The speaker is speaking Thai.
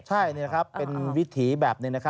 ใช่เป็นวิธีแบบนี้นะครับ